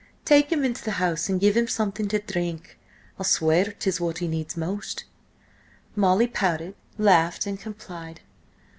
Take him into the house and give him something to drink! I'll swear 'tis what he needs most!" Molly pouted, laughed and complied.